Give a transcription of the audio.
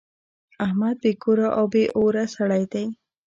احمد بې کوره او بې اوره سړی دی.